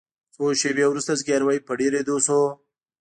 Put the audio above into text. څو شیبې وروسته زګیروي په ډیریدو شو.